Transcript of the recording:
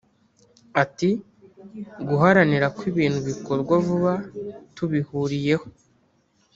Ati “Guharanira ko ibintu bikorwa vuba tubihuriyeho